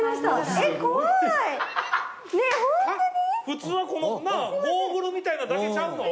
普通はこのなぁゴーグルみたいなだけちゃうの？